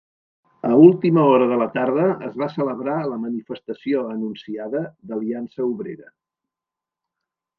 A última hora de la tarda es va celebrar la manifestació anunciada d'Aliança Obrera.